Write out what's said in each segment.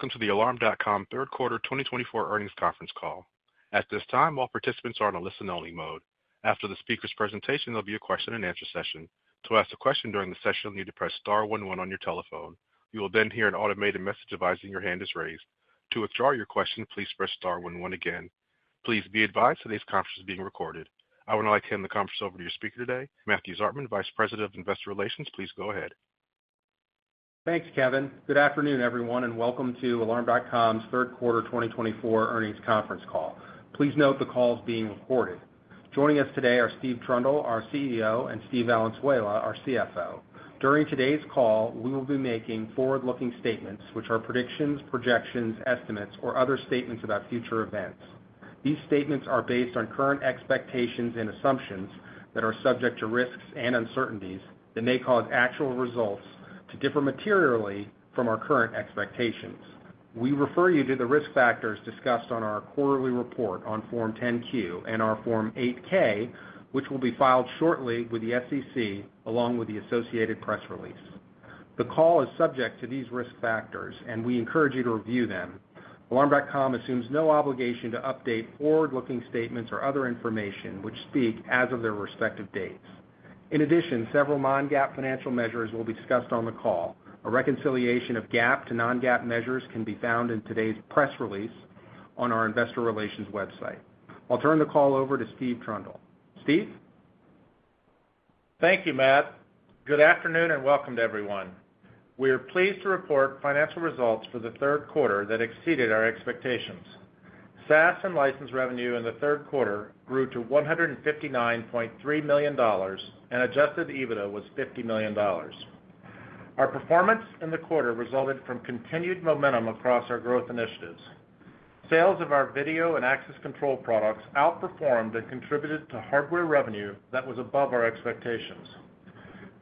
Welcome to the Alarm.com Third Quarter 2024 earnings conference call. At this time, all participants are on a listen-only mode. After the speaker's presentation, there'll be a question-and-answer session. To ask a question during the session, you'll need to press star one one on your telephone. You will then hear an automated message advising your hand is raised. To withdraw your question, please press star one one again. Please be advised today's conference is being recorded. I would now like to hand the conference over to your speaker today, Matthew Zartman, Vice President of Investor Relations. Please go ahead. Thanks, Kevin. Good afternoon, everyone, and welcome to Alarm.com's Third Quarter 2024 earnings conference call. Please note the call is being recorded. Joining us today are Steve Trundle, our CEO, and Steve Valenzuela, our CFO. During today's call, we will be making forward-looking statements, which are predictions, projections, estimates, or other statements about future events. These statements are based on current expectations and assumptions that are subject to risks and uncertainties that may cause actual results to differ materially from our current expectations. We refer you to the risk factors discussed on our quarterly report on Form 10-Q and our Form 8-K, which will be filed shortly with the SEC along with the associated press release. The call is subject to these risk factors, and we encourage you to review them. Alarm.com assumes no obligation to update forward-looking statements or other information which speak as of their respective dates. In addition, several non-GAAP financial measures will be discussed on the call. A reconciliation of GAAP to non-GAAP measures can be found in today's press release on our Investor Relations website. I'll turn the call over to Steve Trundle. Steve? Thank you, Matt. Good afternoon and welcome to everyone. We are pleased to report financial results for the third quarter that exceeded our expectations. SaaS and license revenue in the third quarter grew to $159.3 million and Adjusted EBITDA was $50 million. Our performance in the quarter resulted from continued momentum across our growth initiatives. Sales of our video and access control products outperformed and contributed to hardware revenue that was above our expectations.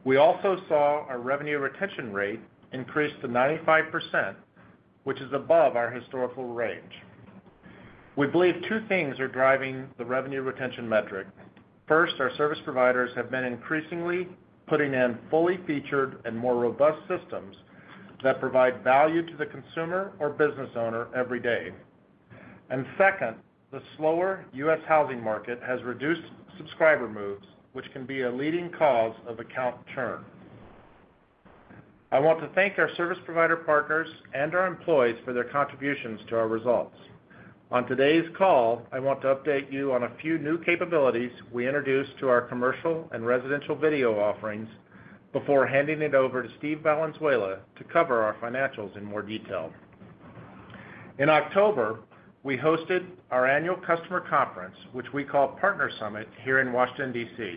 We also saw our revenue retention rate increase to 95%, which is above our historical range. We believe two things are driving the revenue retention metric. First, our service providers have been increasingly putting in fully featured and more robust systems that provide value to the consumer or business owner every day. And second, the slower U.S. housing market has reduced subscriber moves, which can be a leading cause of account churn. I want to thank our service provider partners and our employees for their contributions to our results. On today's call, I want to update you on a few new capabilities we introduced to our commercial and residential video offerings before handing it over to Steve Valenzuela to cover our financials in more detail. In October, we hosted our annual customer conference, which we call Partner Summit here in Washington, D.C.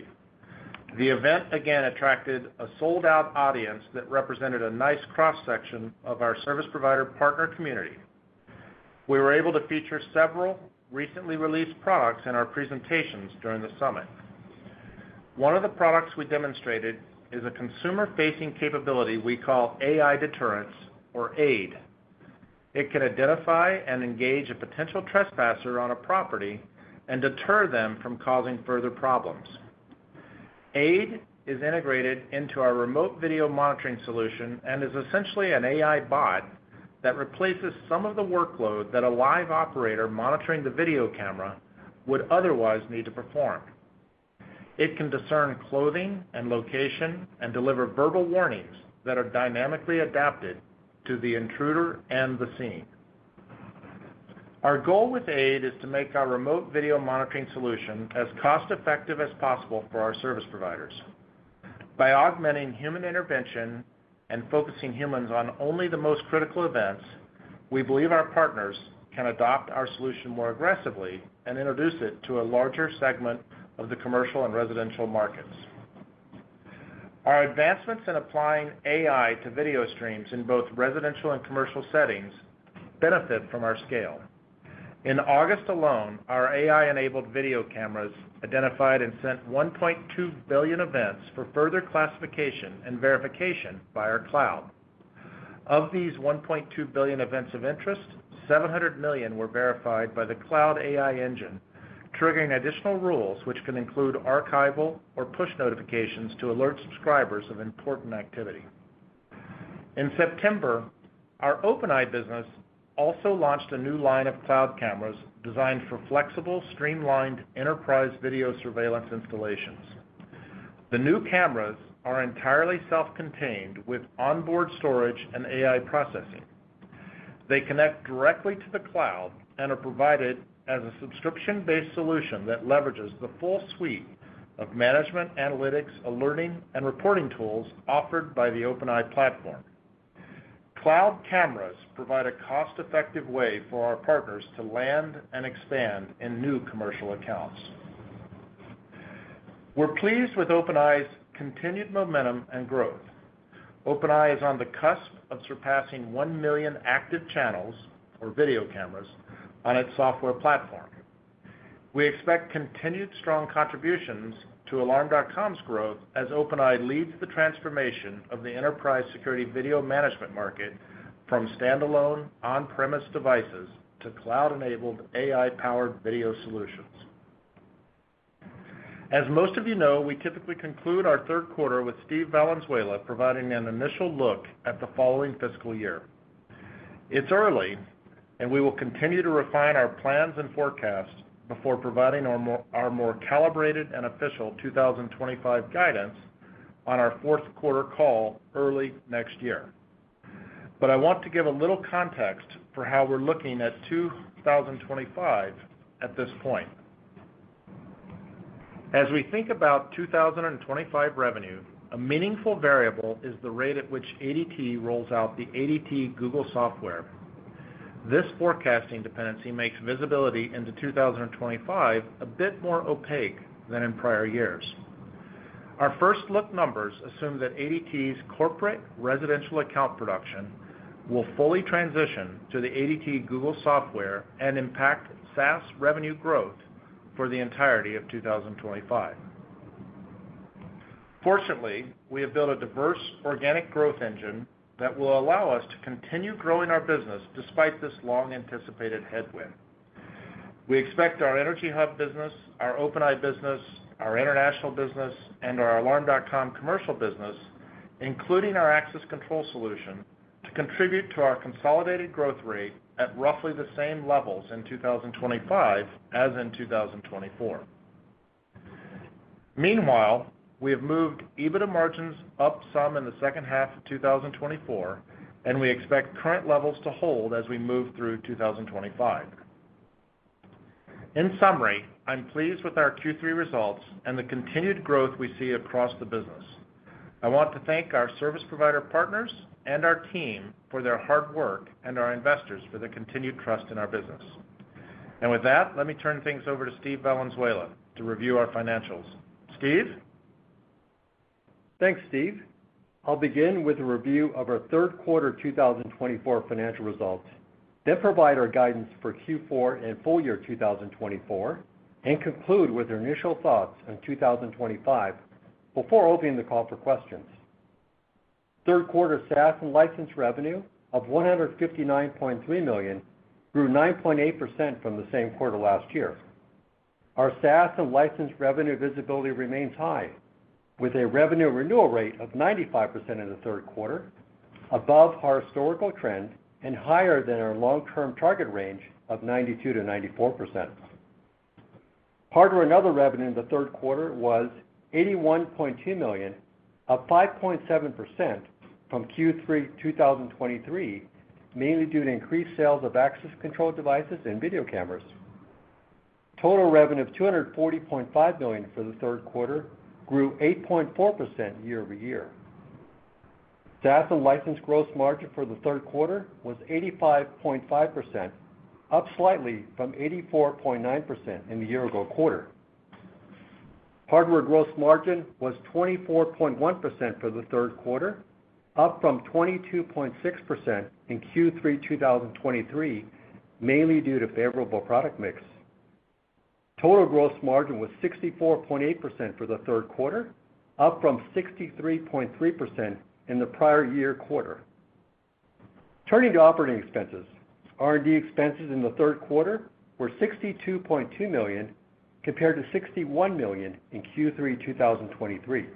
The event again attracted a sold-out audience that represented a nice cross-section of our service provider partner community. We were able to feature several recently released products in our presentations during the summit. One of the products we demonstrated is a consumer-facing capability we call AI Deterrence or AID. It can identify and engage a potential trespasser on a property and deter them from causing further problems. AID is integrated into our remote video monitoring solution and is essentially an AI bot that replaces some of the workload that a live operator monitoring the video camera would otherwise need to perform. It can discern clothing and location and deliver verbal warnings that are dynamically adapted to the intruder and the scene. Our goal with AID is to make our remote video monitoring solution as cost-effective as possible for our service providers. By augmenting human intervention and focusing humans on only the most critical events, we believe our partners can adopt our solution more aggressively and introduce it to a larger segment of the commercial and residential markets. Our advancements in applying AI to video streams in both residential and commercial settings benefit from our scale. In August alone, our AI-enabled video cameras identified and sent 1.2 billion events for further classification and verification by our cloud. Of these 1.2 billion events of interest, 700 million were verified by the cloud AI engine, triggering additional rules which can include archival or push notifications to alert subscribers of important activity. In September, our OpenEye business also launched a new line of cloud cameras designed for flexible, streamlined enterprise video surveillance installations. The new cameras are entirely self-contained with onboard storage and AI processing. They connect directly to the cloud and are provided as a subscription-based solution that leverages the full suite of management, analytics, alerting, and reporting tools offered by the OpenEye platform. Cloud cameras provide a cost-effective way for our partners to land and expand in new commercial accounts. We're pleased with OpenEye's continued momentum and growth. OpenEye is on the cusp of surpassing 1 million active channels or video cameras on its software platform. We expect continued strong contributions to Alarm.com's growth as OpenEye leads the transformation of the enterprise security video management market from standalone on-premise devices to cloud-enabled AI-powered video solutions. As most of you know, we typically conclude our third quarter with Steve Valenzuela providing an initial look at the following fiscal year. It's early, and we will continue to refine our plans and forecasts before providing our more calibrated and official 2025 guidance on our fourth quarter call early next year. But I want to give a little context for how we're looking at 2025 at this point. As we think about 2025 revenue, a meaningful variable is the rate at which ADT rolls out the ADT Google software. This forecasting dependency makes visibility into 2025 a bit more opaque than in prior years. Our first-look numbers assume that ADT's corporate residential account production will fully transition to the ADT Google software and impact SaaS revenue growth for the entirety of 2025. Fortunately, we have built a diverse organic growth engine that will allow us to continue growing our business despite this long-anticipated headwind. We expect our EnergyHub business, our OpenEye business, our international business, and our Alarm.com commercial business, including our access control solution, to contribute to our consolidated growth rate at roughly the same levels in 2025 as in 2024. Meanwhile, we have moved EBITDA margins up some in the second half of 2024, and we expect current levels to hold as we move through 2025. In summary, I'm pleased with our Q3 results and the continued growth we see across the business. I want to thank our service provider partners and our team for their hard work and our investors for the continued trust in our business. And with that, let me turn things over to Steve Valenzuela to review our financials. Steve? Thanks, Steve. I'll begin with a review of our third quarter 2024 financial results, then provide our guidance for Q4 and full year 2024, and conclude with our initial thoughts on 2025 before opening the call for questions. Third quarter SaaS and license revenue of $159.3 million grew 9.8% from the same quarter last year. Our SaaS and license revenue visibility remains high, with a revenue renewal rate of 95% in the third quarter, above our historical trend and higher than our long-term target range of 92%-94%. Hardware and other revenue in the third quarter was $81.2 million, up 5.7% from Q3 2023, mainly due to increased sales of access control devices and video cameras. Total revenue of $240.5 million for the third quarter grew 8.4% year-over-year. SaaS and license gross margin for the third quarter was 85.5%, up slightly from 84.9% in the year-ago quarter. Hardware gross margin was 24.1% for the third quarter, up from 22.6% in Q3 2023, mainly due to favorable product mix. Total gross margin was 64.8% for the third quarter, up from 63.3% in the prior year quarter. Turning to operating expenses, R&D expenses in the third quarter were $62.2 million compared to $61 million in Q3 2023.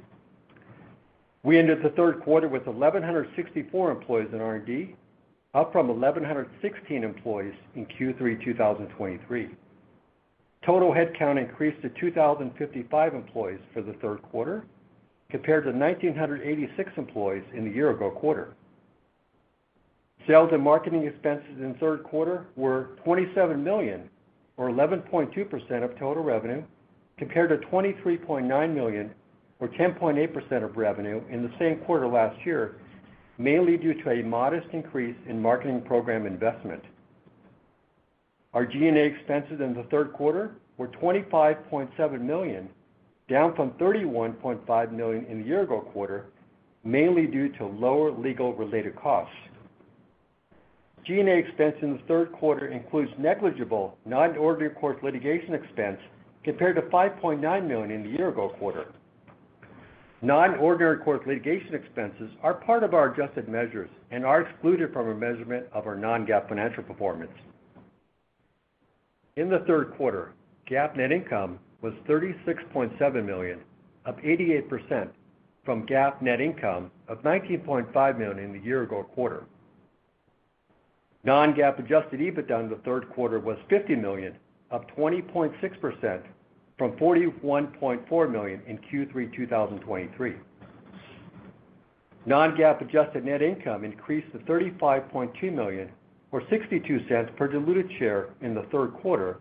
We ended the third quarter with 1,164 employees in R&D, up from 1,116 employees in Q3 2023. Total headcount increased to 2,055 employees for the third quarter compared to 1,986 employees in the year-ago quarter. Sales and marketing expenses in the third quarter were $27 million, or 11.2% of total revenue, compared to $23.9 million, or 10.8% of revenue in the same quarter last year, mainly due to a modest increase in marketing program investment. Our G&A expenses in the third quarter were $25.7 million, down from $31.5 million in the year-ago quarter, mainly due to lower legal-related costs. G&A expenses in the third quarter include negligible non-ordinary court litigation expense compared to $5.9 million in the year-ago quarter. Non-ordinary court litigation expenses are part of our adjusted measures and are excluded from our measurement of our non-GAAP financial performance. In the third quarter, GAAP net income was $36.7 million, up 88% from GAAP net income of $19.5 million in the year-ago quarter. Non-GAAP adjusted EBITDA in the third quarter was $50 million, up 20.6% from $41.4 million in Q3 2023. Non-GAAP adjusted net income increased to $35.2 million, or $0.62 per diluted share in the third quarter,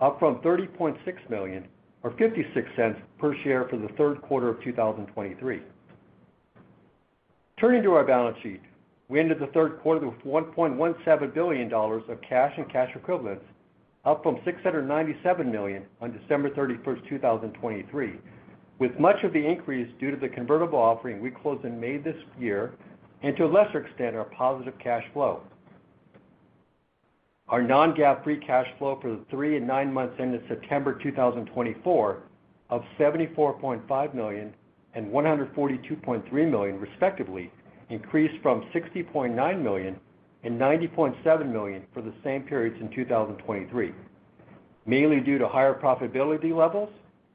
up from $30.6 million, or $0.56 per share for the third quarter of 2023. Turning to our balance sheet, we ended the third quarter with $1.17 billion of cash and cash equivalents, up from $697 million on December 31st, 2023, with much of the increase due to the convertible offering we closed in May this year and, to a lesser extent, our positive cash flow. Our non-GAAP free cash flow for the three and nine months ended September 2024 of $74.5 million and $142.3 million, respectively, increased from $60.9 million and $90.7 million for the same periods in 2023, mainly due to higher profitability levels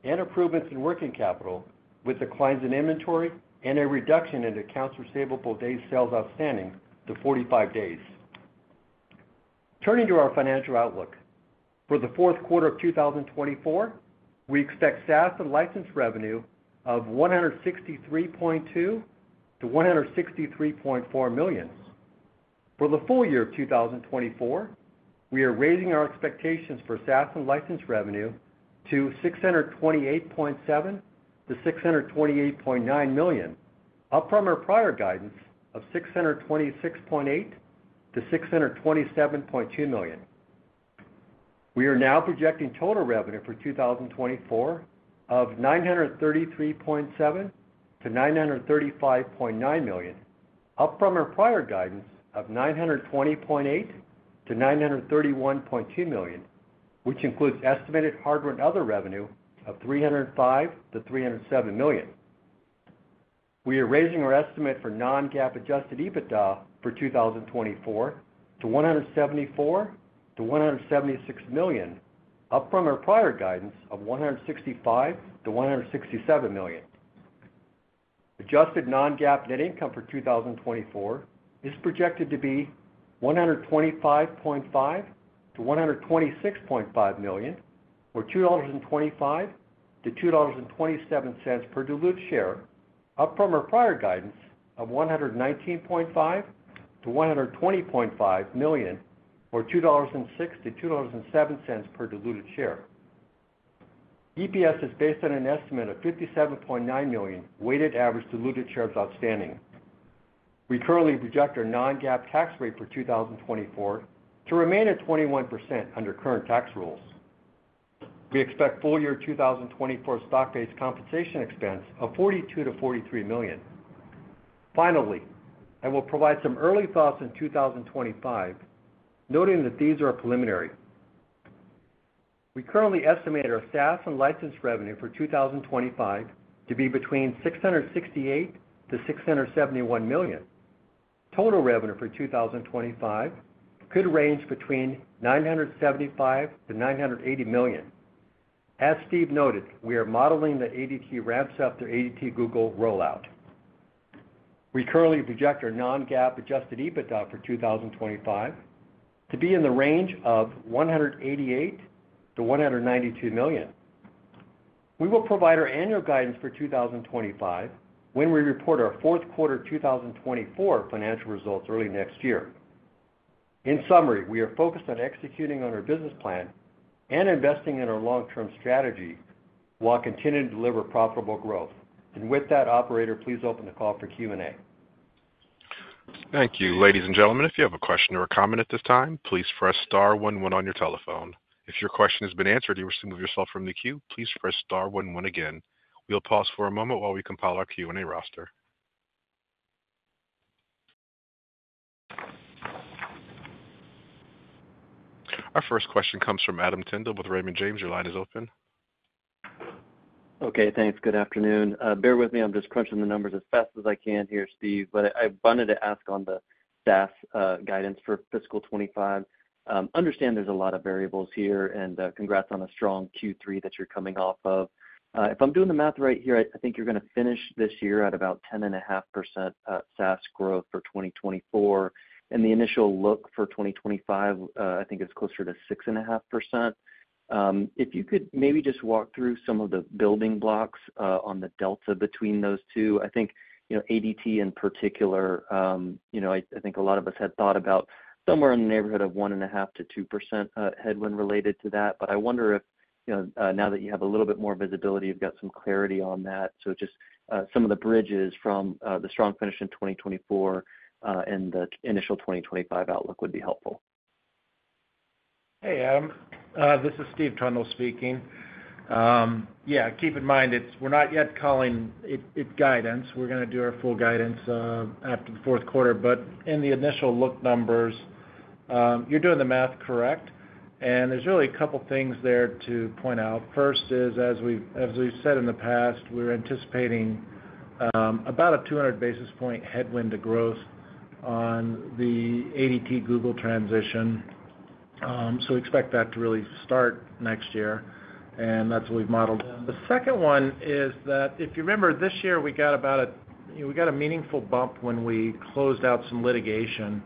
and improvements in working capital, with declines in inventory and a reduction in accounts receivable days sales outstanding to 45 days. Turning to our financial outlook, for the fourth quarter of 2024, we expect SaaS and license revenue of $163.2 million-$163.4 million. For the full year of 2024, we are raising our expectations for SaaS and license revenue to $628.7 million-$628.9 million, up from our prior guidance of $626.8 million-$627.2 million. We are now projecting total revenue for 2024 of $933.7 million-$935.9 million, up from our prior guidance of $920.8 million-$931.2 million, which includes estimated hardware and other revenue of $305 million-$307 million. We are raising our estimate for non-GAAP adjusted EBITDA for 2024 to $174 million-$176 million, up from our prior guidance of $165 million-$167 million. Adjusted non-GAAP net income for 2024 is projected to be $125.5 million-$126.5 million, or $2.25-$2.27 per diluted share, up from our prior guidance of $119.5 million-$120.5 million, or $2.06-$2.07 per diluted share. EPS is based on an estimate of $57.9 million weighted average diluted shares outstanding. We currently project our non-GAAP tax rate for 2024 to remain at 21% under current tax rules. We expect full year 2024 stock-based compensation expense of $42 million-$43 million. Finally, I will provide some early thoughts on 2025, noting that these are preliminary. We currently estimate our SaaS and license revenue for 2025 to be between $668 million-$671 million. Total revenue for 2025 could range between $975 million-$980 million. As Steve noted, we are modeling the ADT ramps up to ADT Google rollout. We currently project our non-GAAP Adjusted EBITDA for 2025 to be in the range of $188 million-$192 million. We will provide our annual guidance for 2025 when we report our fourth quarter 2024 financial results early next year. In summary, we are focused on executing on our business plan and investing in our long-term strategy while continuing to deliver profitable growth. With that, Operator, please open the call for Q&A. Thank you, ladies and gentlemen. If you have a question or a comment at this time, please press star one one on your telephone. If your question has been answered and you wish to move yourself from the queue, please press star one one again. We'll pause for a moment while we compile our Q&A roster. Our first question comes from Adam Tindle with Raymond James. Your line is open. Okay, thanks. Good afternoon. Bear with me. I'm just crunching the numbers as fast as I can here, Steve. But I wanted to ask on the SaaS guidance for fiscal 2025. Understand there's a lot of variables here, and congrats on a strong Q3 that you're coming off of. If I'm doing the math right here, I think you're going to finish this year at about 10.5% SaaS growth for 2024. And the initial look for 2025, I think, is closer to 6.5%. If you could maybe just walk through some of the building blocks on the delta between those two. I think ADT in particular, I think a lot of us had thought about somewhere in the neighborhood of 1.5%-2% headwind related to that. But I wonder if now that you have a little bit more visibility, you've got some clarity on that. So just some of the bridges from the strong finish in 2024 and the initial 2025 outlook would be helpful. Hey, Adam. This is Steve Trundle speaking. Yeah, keep in mind we're not yet calling it guidance. We're going to do our full guidance after the fourth quarter. But in the initial look numbers, you're doing the math correct. And there's really a couple of things there to point out. First is, as we've said in the past, we're anticipating about a 200 basis point headwind to growth on the ADT Google transition. So we expect that to really start next year. And that's what we've modeled. The second one is that, if you remember, this year we got about a meaningful bump when we closed out some litigation.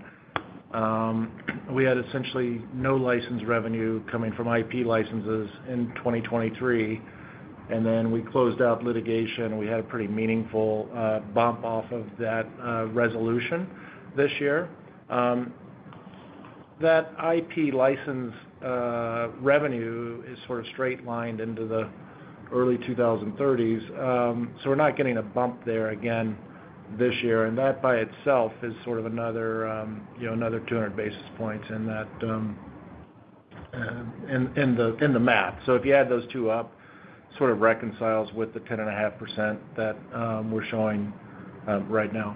We had essentially no license revenue coming from IP licenses in 2023. And then we closed out litigation. We had a pretty meaningful bump off of that resolution this year. That IP license revenue is sort of straight-lined into the early 2030s. So we're not getting a bump there again this year. And that by itself is sort of another 200 basis points in the math. So if you add those two up, sort of reconciles with the 10.5% that we're showing right now.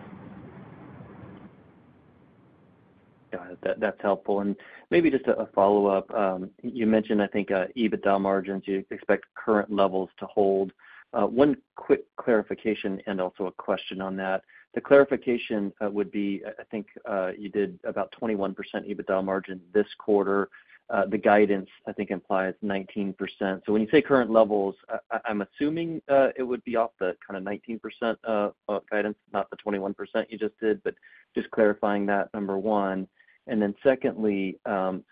Got it. That's helpful. And maybe just a follow-up. You mentioned, I think, EBITDA margins. You expect current levels to hold. One quick clarification and also a question on that. The clarification would be, I think you did about 21% EBITDA margin this quarter. The guidance, I think, implies 19%. So when you say current levels, I'm assuming it would be off the kind of 19% guidance, not the 21% you just did. But just clarifying that, number one. And then secondly,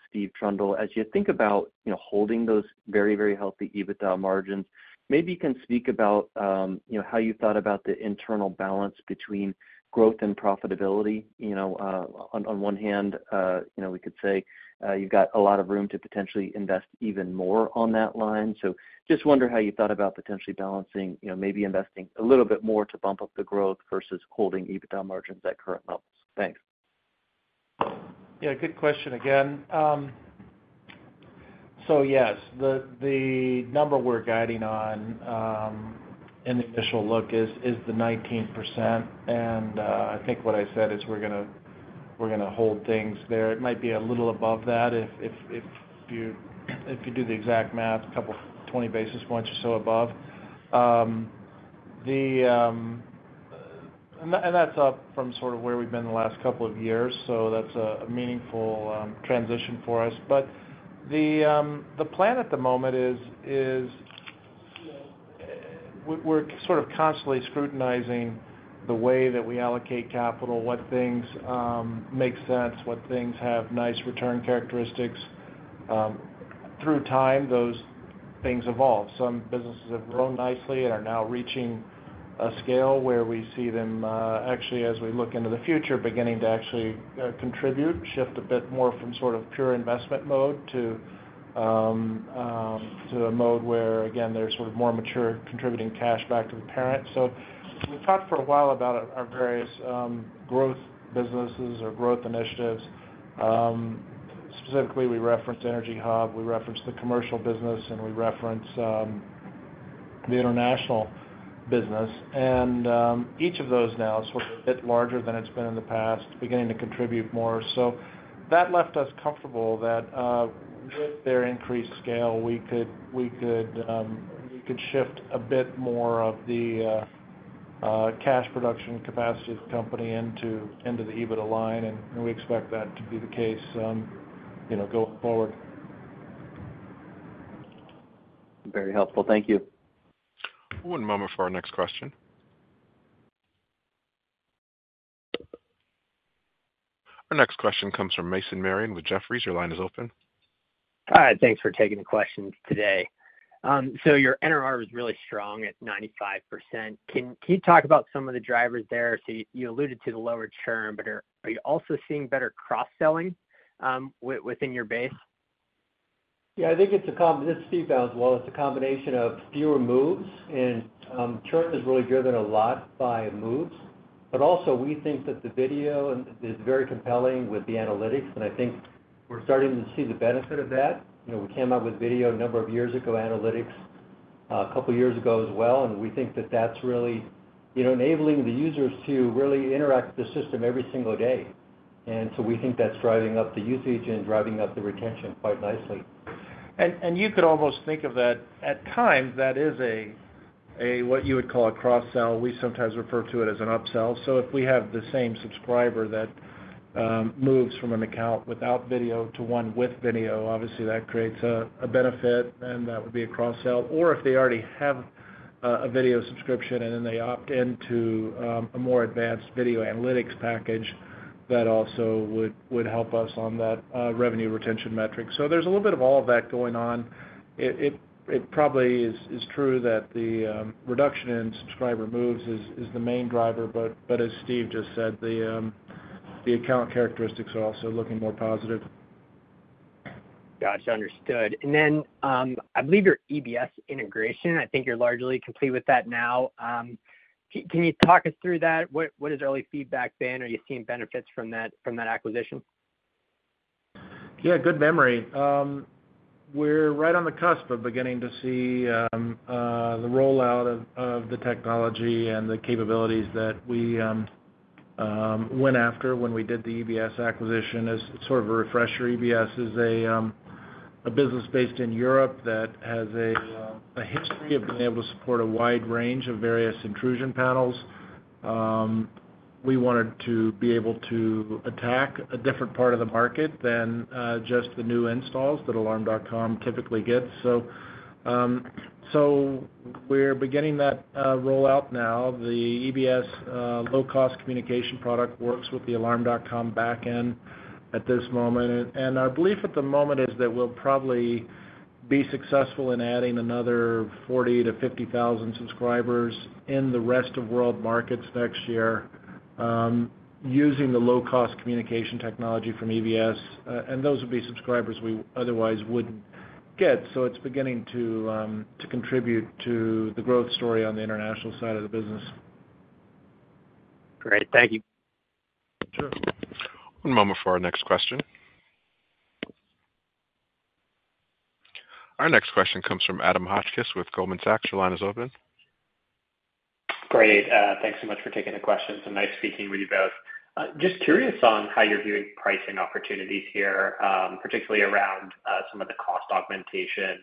Steve Trundle, as you think about holding those very, very healthy EBITDA margins, maybe you can speak about how you thought about the internal balance between growth and profitability. On one hand, we could say you've got a lot of room to potentially invest even more on that line. So, just wonder how you thought about potentially balancing, maybe investing a little bit more to bump up the growth versus holding EBITDA margins at current levels? Thanks. Yeah, good question again. So yes, the number we're guiding on in the initial look is the 19%. And I think what I said is we're going to hold things there. It might be a little above that if you do the exact math, a couple of 20 basis points or so above. And that's up from sort of where we've been the last couple of years. So that's a meaningful transition for us. But the plan at the moment is we're sort of constantly scrutinizing the way that we allocate capital, what things make sense, what things have nice return characteristics. Through time, those things evolve. Some businesses have grown nicely and are now reaching a scale where we see them, actually, as we look into the future, beginning to actually contribute, shift a bit more from sort of pure investment mode to a mode where, again, they're sort of more mature, contributing cash back to the parent. So we've talked for a while about our various growth businesses or growth initiatives. Specifically, we referenced EnergyHub. We referenced the commercial business, and we referenced the international business. And each of those now is sort of a bit larger than it's been in the past, beginning to contribute more. So that left us comfortable that with their increased scale, we could shift a bit more of the cash production capacity of the company into the EBITDA line. And we expect that to be the case going forward. Very helpful. Thank you. One moment for our next question. Our next question comes from Mason Marion with Jefferies. Your line is open. Hi. Thanks for taking the question today. So your NRR was really strong at 95%. Can you talk about some of the drivers there? So you alluded to the lower churn, but are you also seeing better cross-selling within your base? Yeah, I think it's a combination of, well, it's a combination of fewer moves. And churn is really driven a lot by moves. But also, we think that the video is very compelling with the analytics. And I think we're starting to see the benefit of that. We came out with video a number of years ago, analytics a couple of years ago as well. And we think that that's really enabling the users to really interact with the system every single day. And so we think that's driving up the usage and driving up the retention quite nicely. You could almost think of that at times. That is what you would call a cross-sell. We sometimes refer to it as an upsell. So if we have the same subscriber that moves from an account without video to one with video, obviously, that creates a benefit. And that would be a cross-sell. Or if they already have a video subscription and then they opt into a more advanced video analytics package, that also would help us on that revenue retention metric. So there's a little bit of all of that going on. It probably is true that the reduction in subscriber moves is the main driver. But as Steve just said, the account characteristics are also looking more positive. Gotcha. Understood. And then I believe your EBS integration, I think you're largely complete with that now. Can you talk us through that? What has early feedback been? Are you seeing benefits from that acquisition? Yeah, good memory. We're right on the cusp of beginning to see the rollout of the technology and the capabilities that we went after when we did the EBS acquisition as sort of a refresher. EBS is a business based in Europe that has a history of being able to support a wide range of various intrusion panels. We wanted to be able to attack a different part of the market than just the new installs that Alarm.com typically gets. So we're beginning that rollout now. The EBS low-cost communication product works with the Alarm.com backend at this moment. And our belief at the moment is that we'll probably be successful in adding another 40,000-50,000 subscribers in the rest of world markets next year using the low-cost communication technology from EBS. And those would be subscribers we otherwise wouldn't get. So it's beginning to contribute to the growth story on the international side of the business. Great. Thank you. Sure. One moment for our next question. Our next question comes from Adam Hotchkiss with Goldman Sachs. Your line is open. Great. Thanks so much for taking the question. So nice speaking with you both. Just curious on how you're viewing pricing opportunities here, particularly around some of the cost augmentation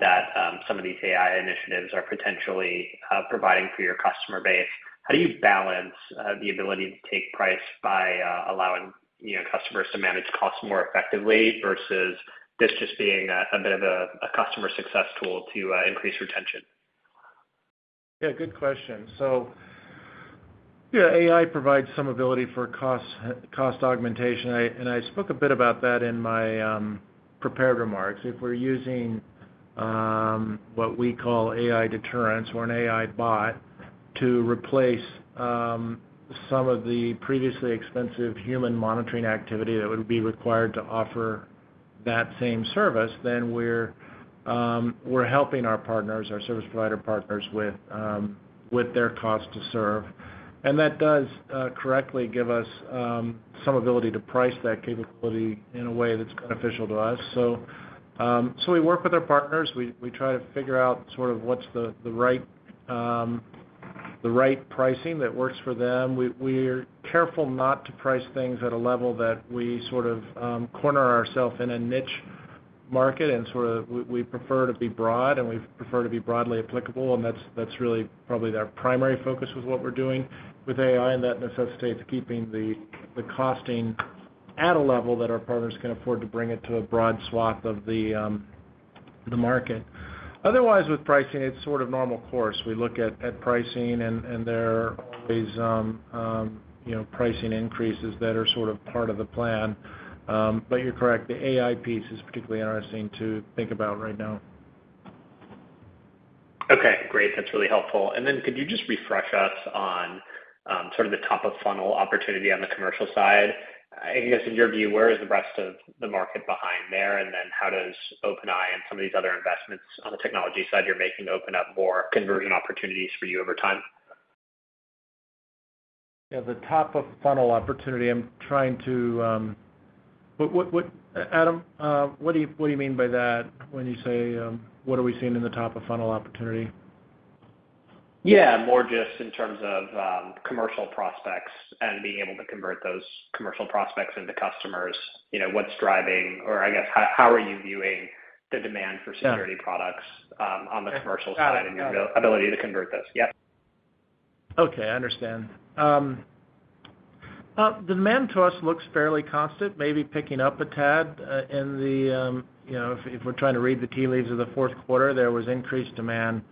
that some of these AI initiatives are potentially providing for your customer base. How do you balance the ability to take price by allowing customers to manage costs more effectively versus this just being a bit of a customer success tool to increase retention? Yeah, good question. So yeah, AI provides some ability for cost augmentation. And I spoke a bit about that in my prepared remarks. If we're using what we call AI Deterrence or an AI bot to replace some of the previously expensive human monitoring activity that would be required to offer that same service, then we're helping our partners, our service provider partners, with their cost to serve. And that does correctly give us some ability to price that capability in a way that's beneficial to us. So we work with our partners. We try to figure out sort of what's the right pricing that works for them. We're careful not to price things at a level that we sort of corner ourselves in a niche market. And sort of we prefer to be broad, and we prefer to be broadly applicable. And that's really probably our primary focus with what we're doing with AI. And that necessitates keeping the costing at a level that our partners can afford to bring it to a broad swath of the market. Otherwise, with pricing, it's sort of normal course. We look at pricing, and there are always pricing increases that are sort of part of the plan. But you're correct. The AI piece is particularly interesting to think about right now. Okay. Great. That's really helpful. And then could you just refresh us on sort of the top-of-funnel opportunity on the commercial side? I guess in your view, where is the rest of the market behind there? And then how does OpenEye and some of these other investments on the technology side you're making open up more conversion opportunities for you over time? Yeah, the top-of-funnel opportunity. I'm trying to, Adam, what do you mean by that when you say, "What are we seeing in the top-of-funnel opportunity? Yeah, more just in terms of commercial prospects and being able to convert those commercial prospects into customers. What's driving? Or I guess, how are you viewing the demand for security products on the commercial side and your ability to convert those? Yep. Okay. I understand. The demand to us looks fairly constant, maybe picking up a tad in the—if we're trying to read the tea leaves of the fourth quarter, there was increased demand,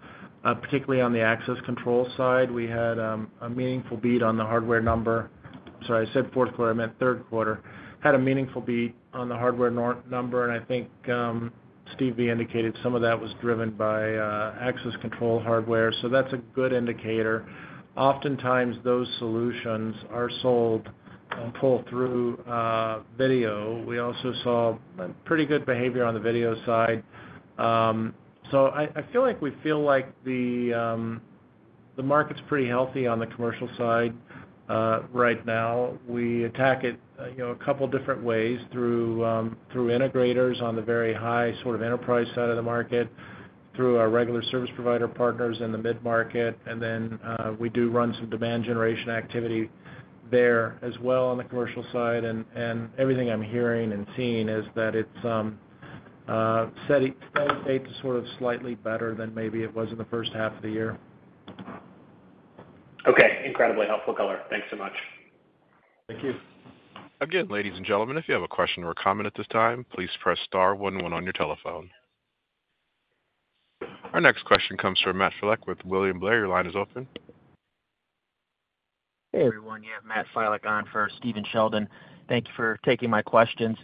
particularly on the access control side. We had a meaningful beat on the hardware number. Sorry, I said fourth quarter. I meant third quarter. Had a meaningful beat on the hardware number. And I think Steve V indicated some of that was driven by access control hardware. So that's a good indicator. Oftentimes, those solutions are sold and pull through video. We also saw pretty good behavior on the video side. So I feel like the market's pretty healthy on the commercial side right now. We attack it a couple of different ways through integrators on the very high sort of enterprise side of the market, through our regular service provider partners in the mid-market. And then we do run some demand generation activity there as well on the commercial side. And everything I'm hearing and seeing is that it's said to be sort of slightly better than maybe it was in the first half of the year. Okay. Incredibly helpful, color. Thanks so much. Thank you. Again, ladies and gentlemen, if you have a question or a comment at this time, please press star one one when on your telephone. Our next question comes from Matt Filek with William Blair. Your line is open. Hey, everyone. Yeah, Matt Filek on for Stephen Sheldon. Thank you for taking my questions.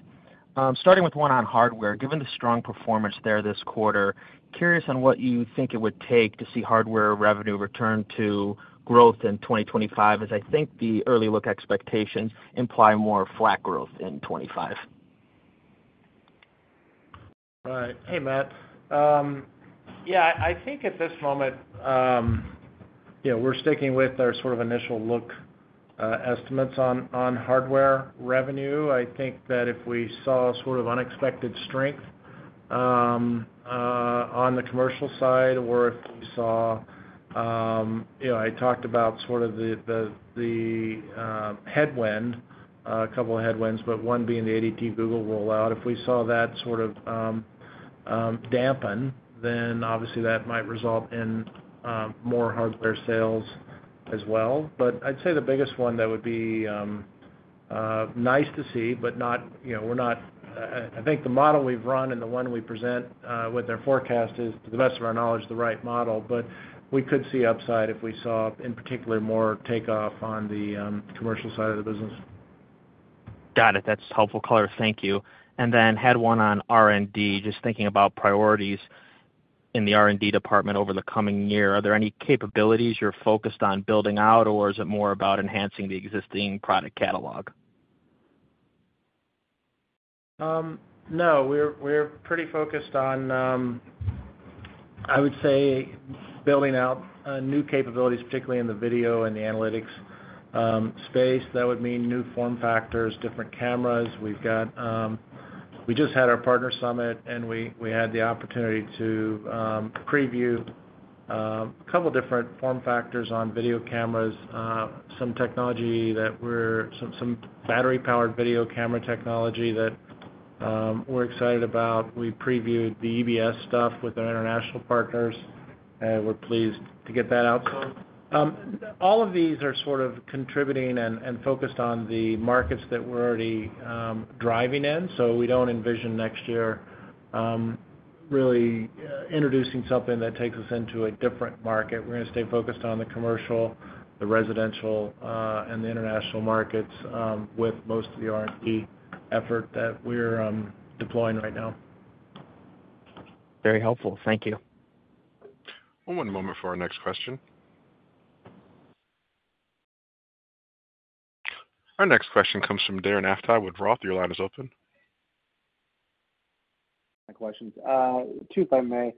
Starting with one on hardware, given the strong performance there this quarter, curious on what you think it would take to see hardware revenue return to growth in 2025, as I think the early look expectations imply more flat growth in 2025. Right. Hey, Matt. Yeah, I think at this moment, yeah, we're sticking with our sort of initial look estimates on hardware revenue. I think that if we saw sort of unexpected strength on the commercial side or if we saw, I talked about sort of the headwind, a couple of headwinds, but one being the ADT Google rollout. If we saw that sort of dampen, then obviously that might result in more hardware sales as well. But I'd say the biggest one that would be nice to see, but we're not, I think the model we've run and the one we present with their forecast is, to the best of our knowledge, the right model. But we could see upside if we saw, in particular, more takeoff on the commercial side of the business. Got it. That's helpful, color. Thank you. And then had one on R&D, just thinking about priorities in the R&D department over the coming year. Are there any capabilities you're focused on building out, or is it more about enhancing the existing product catalog? No. We're pretty focused on, I would say, building out new capabilities, particularly in the video and the analytics space. That would mean new form factors, different cameras. We just had our partner summit, and we had the opportunity to preview a couple of different form factors on video cameras, some battery-powered video camera technology that we're excited about. We previewed the EBS stuff with our international partners, and we're pleased to get that out. So all of these are sort of contributing and focused on the markets that we're already driving in. So we don't envision next year really introducing something that takes us into a different market. We're going to stay focused on the commercial, the residential, and the international markets with most of the R&D effort that we're deploying right now. Very helpful. Thank you. One moment for our next question. Our next question comes from Darren Aftahi with Roth. Your line is open. My question, too, if I may.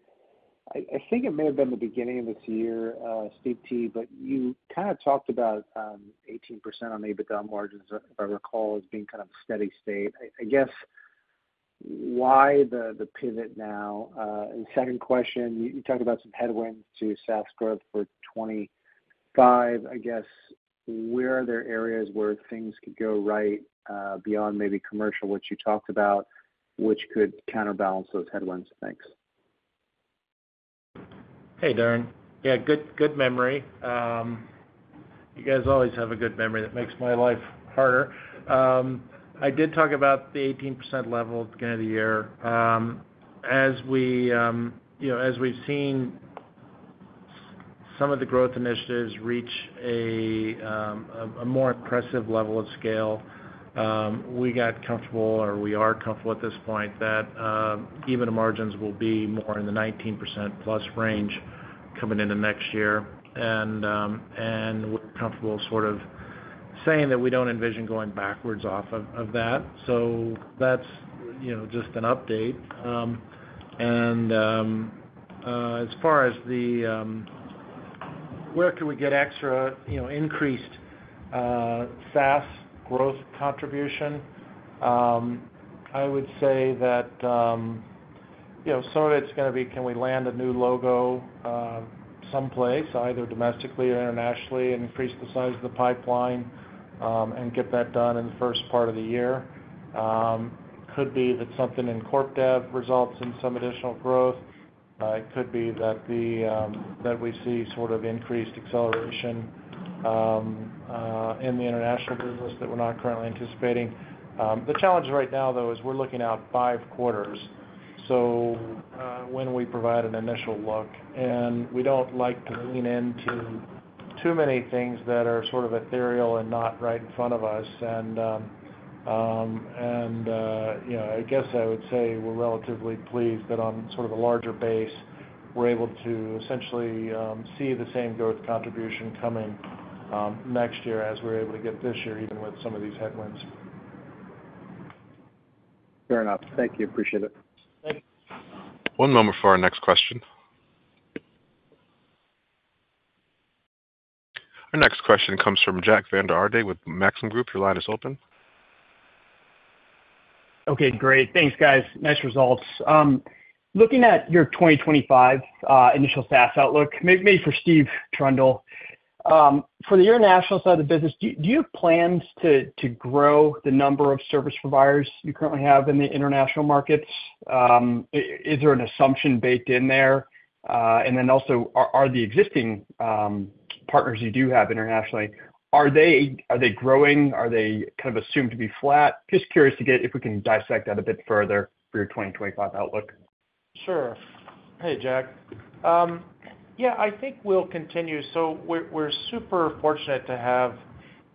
I think it may have been the beginning of this year, Steve T, but you kind of talked about 18% on Alarm.com margins, if I recall, as being kind of a steady state. I guess why the pivot now? And second question, you talked about some headwinds to SaaS growth for 2025. I guess where are there areas where things could go right beyond maybe commercial, which you talked about, which could counterbalance those headwinds? Thanks. Hey, Darren. Yeah, good memory. You guys always have a good memory. That makes my life harder. I did talk about the 18% level at the beginning of the year. As we've seen some of the growth initiatives reach a more impressive level of scale, we got comfortable, or we are comfortable at this point, that even the margins will be more in the 19%+ range coming into next year. And we're comfortable sort of saying that we don't envision going backwards off of that. So that's just an update. And as far as where could we get extra increased SaaS growth contribution, I would say that some of it's going to be can we land a new logo someplace, either domestically or internationally, and increase the size of the pipeline and get that done in the first part of the year. Could be that something in CorpDev results in some additional growth. It could be that we see sort of increased acceleration in the international business that we're not currently anticipating. The challenge right now, though, is we're looking out five quarters, so when we provide an initial look, and we don't like to lean into too many things that are sort of ethereal and not right in front of us, and I guess I would say we're relatively pleased that on sort of a larger base, we're able to essentially see the same growth contribution coming next year as we're able to get this year, even with some of these headwinds. Fair enough. Thank you. Appreciate it. Thank you. One moment for our next question. Our next question comes from Jack Vander Aarde with Maxim Group. Your line is open. Okay. Great. Thanks, guys. Nice results. Looking at your 2025 initial SaaS outlook, maybe for Steve Trundle, for the international side of the business, do you have plans to grow the number of service providers you currently have in the international markets? Is there an assumption baked in there? And then also, are the existing partners you do have internationally, are they growing? Are they kind of assumed to be flat? Just curious to get if we can dissect that a bit further for your 2025 outlook. Sure. Hey, Jack. Yeah, I think we'll continue, so we're super fortunate to have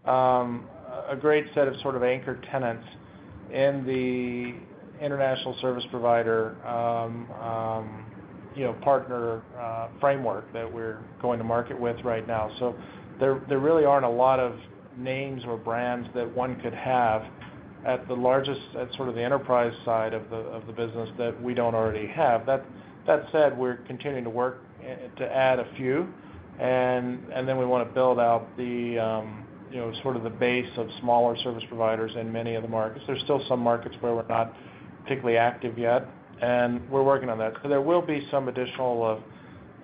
a great set of sort of anchor tenants in the international service provider partner framework that we're going to market with right now, so there really aren't a lot of names or brands that one could have at the largest at sort of the enterprise side of the business that we don't already have. That said, we're continuing to work to add a few, and then we want to build out the sort of the base of smaller service providers in many of the markets. There's still some markets where we're not particularly active yet, and we're working on that, so there will be some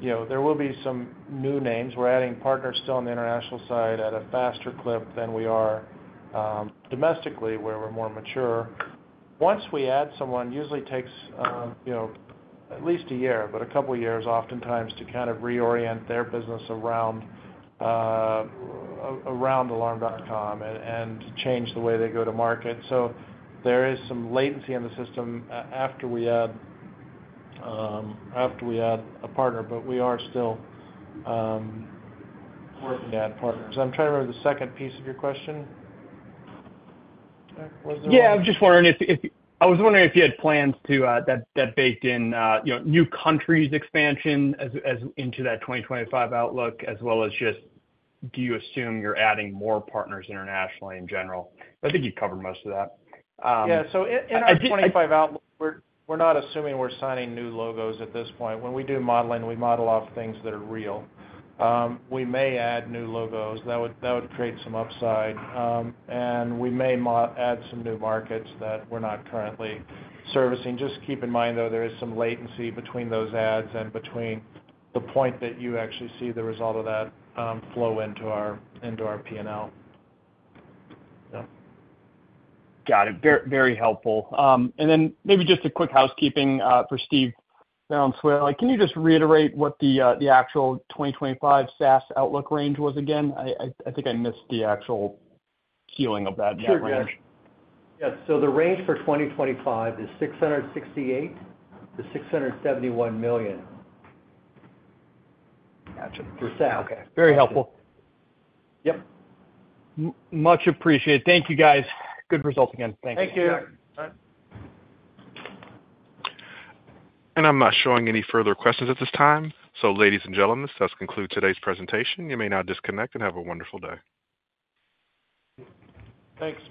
new names. We're adding partners still on the international side at a faster clip than we are domestically, where we're more mature. Once we add someone, it usually takes at least a year, but a couple of years, oftentimes, to kind of reorient their business around Alarm.com and change the way they go to market. So there is some latency in the system after we add a partner, but we are still working to add partners. I'm trying to remember the second piece of your question. What was the question? Yeah. I was just wondering if you had plans that baked in new countries expansion into that 2025 outlook, as well as just do you assume you're adding more partners internationally in general? I think you've covered most of that. Yeah. So in our 2025 outlook, we're not assuming we're signing new logos at this point. When we do modeling, we model off things that are real. We may add new logos. That would create some upside. And we may add some new markets that we're not currently servicing. Just keep in mind, though, there is some latency between those adds and between the point that you actually see the result of that flow into our P&L. Got it. Very helpful. And then maybe just a quick housekeeping for Steve Valenzuela. Can you just reiterate what the actual 2025 SaaS outlook range was again? I think I missed the actual ceiling of that range. Yeah. So the range for 2025 is $668 million-$671 million for SaaS. Gotcha. Very helpful. Yep. Much appreciated. Thank you, guys. Good results again. Thank you. Thank you. And I'm not showing any further questions at this time. So, ladies and gentlemen, this does conclude today's presentation. You may now disconnect and have a wonderful day. Thanks.